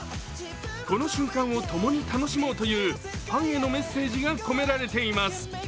この瞬間を共に楽しもうというファンヘのメッセージが込められています。